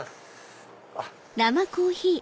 あっ。